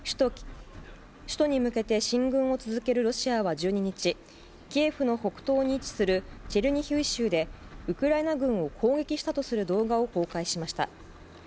首都に向けて進軍を続けるロシアは１２日キエフの北東に位置するチェルニヒウ州でウクライナ軍を攻撃したとする動画を公開しました。